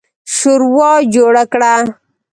شورا جوړه کړه.